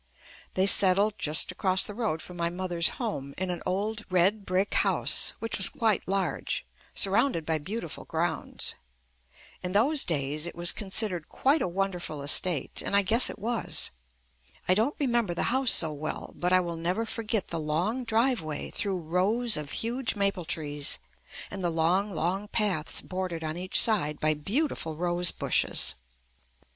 They settled just across the road from my mother's home in an old red brick house, which was quite large, surrounded by beautiful grounds. In those days it was con sidered quite a wonderful estate, and I guess it was. I don't remember the house so well, but I will never forget the long driveway through rows of huge maple trees and the long, long paths bordered on each side by beautiful rose JUST ME bushes.